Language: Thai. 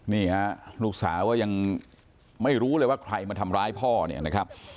นี่ฮะลูกสาวก็ยังไม่รู้เลยว่าใครมาทำร้ายพ่อเนี่ยนะครับ